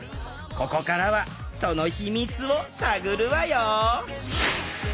ここからはそのヒミツを探るわよ！